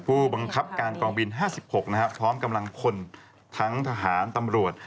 ผู้บังคับการกองบิน๕๖นะครับพร้อมกำลังพลทั้งทหารตำรวจ